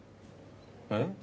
えっ？